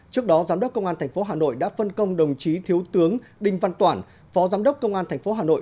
trước đó giám đốc công an tp hà nội đã phân công đồng chí thiếu tướng đinh văn toản phó giám đốc công an tp hà nội